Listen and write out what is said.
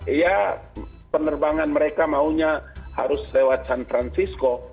iya penerbangan mereka maunya harus lewat san francisco